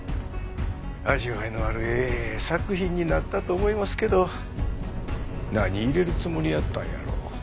味わいのあるええ作品になったと思いますけど何入れるつもりやったんやろう？